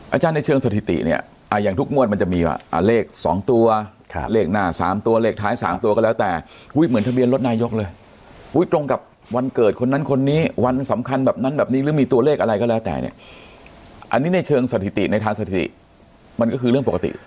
อาจารย์ในเชิงสถิติเนี่ยอย่างทุกงวดมันจะมีเลข๒ตัวเลขหน้า๓ตัวเลขท้าย๓ตัวก็แล้วแต่อุ้ยเหมือนทะเบียนรถนายกเลยตรงกับวันเกิดคนนั้นคนนี้วันสำคัญแบบนั้นแบบนี้หรือมีตัวเลขอะไรก็แล้วแต่เนี่ยอันนี้ในเชิงสถิติในทางสถิติมันก็คือเรื่องปกติ